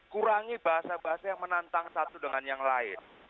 kurangi bahasa bahasa yang menantang satu dengan yang lain